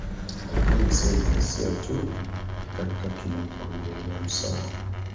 lakini sio jinsia tu katika tunapoongelea usawa